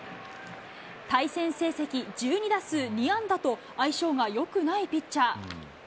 対戦成績１２打数２安打と、相性がよくないピッチャー。